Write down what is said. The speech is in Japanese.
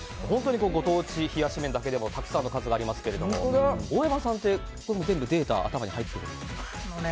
ご当地冷やし麺だけでもたくさんの数がありますが大山さんって全部データが頭に入ってるんですか？